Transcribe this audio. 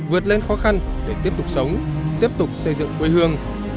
vượt lên khó khăn để tiếp tục sống tiếp tục xây dựng quê hương